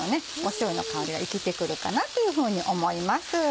しょうゆの香りが生きてくるかなというふうに思います。